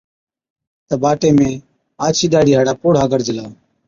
تہ باٽي ۾ آڇِي ڏاڙهِي هاڙا پوڙها گِڙجلا،